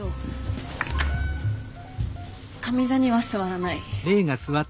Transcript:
上座には座らない。